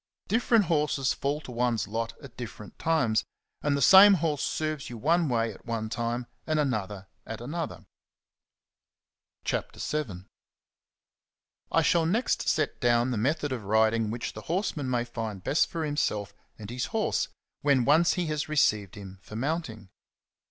Different horses fall to one's lot at different times, and the same horse serves you one way at one time and another at another. CHAPTER VII. I SHALL next set down the method of riding which the horseman may find best for himself and his horse, when once he has received him for mounting.